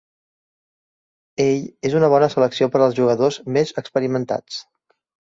Ell és una bona selecció per als jugadors més experimentats.